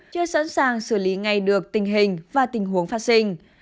chưa sẵn sàng xử lý ngay được tình hình và tình huống phát sinh